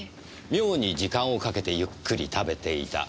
妙に時間をかけてゆっくり食べていた。